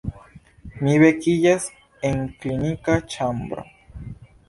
Mi vekiĝas en klinika ĉambro.